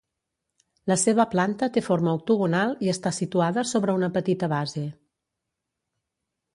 La seva planta té forma octogonal i està situada sobre una petita base.